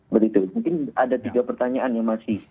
begitu mungkin ada tiga pertanyaan yang masih